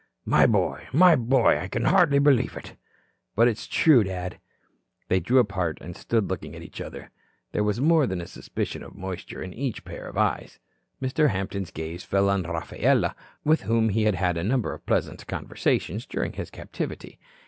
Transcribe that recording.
"My boy, my boy. I can hardly believe it." "But it's true, Dad." They drew apart and stood looking at each other. There was more than a suspicion of moisture in each pair of eyes. Mr. Hampton's gaze fell on Rafaela, with whom he had had a number of pleasant conversations during his captivity.